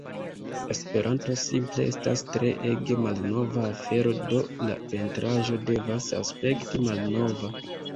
Esperanto simple estas tre ege malnova afero do la pentraĵo devas aspekti malnova.